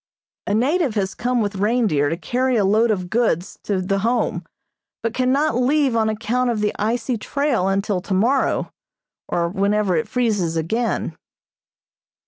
A native has come with reindeer to carry a load of goods to the Home, but cannot leave on account of the icy trail until tomorrow, or whenever it freezes again.